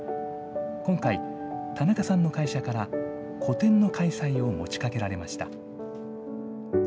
今回、田中さんの会社から個展の開催を持ちかけられました。